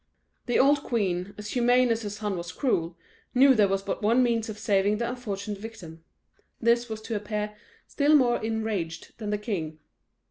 The old queen, as humane as her son was cruel, knew there was but one means of saving the unfortunate victim; this was to appear still more enraged than the king.